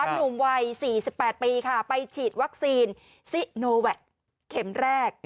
หนุ่มวัย๔๘ปีค่ะไปฉีดวัคซีนซิโนแวคเข็มแรก